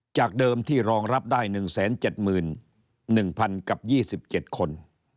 จากเดิมที่รองรับได้๑๗๑๐๐๐กับ๒๗คน